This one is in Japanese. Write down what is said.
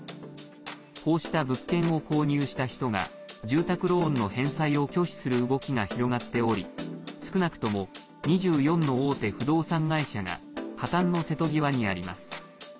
こうした物件を購入した人が住宅ローンの返済を拒否する動きが広がっており少なくとも２４の大手不動産会社が破綻の瀬戸際にあります。